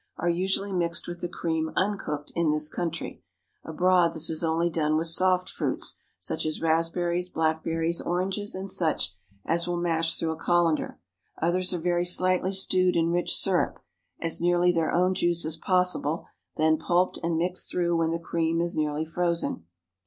are usually mixed with the cream uncooked in this country; abroad this is only done with soft fruits, such as raspberries, blackberries, oranges, and such as will mash through a colander. Others are very slightly stewed in rich syrup (as nearly their own juice as possible), then pulped and mixed through when the cream is nearly frozen.